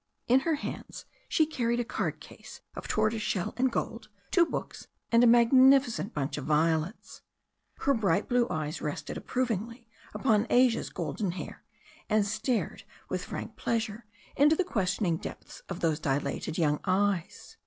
In her hands she carried a card case of tortoise shell and gold, two books, and a magnificent bunch of violets. Her bright blue eyes rested approvingly upon Asia's golden hair, and stared with frank pleasure into the ques tioning depths of those dilated young eyes.